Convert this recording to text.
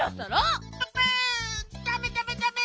ププ！ダメダメダメ！